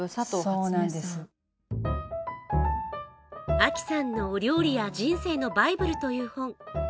亜希さんのお料理や人生のバイブルという本。